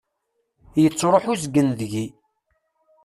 Yettruḥ uzgen deg-i.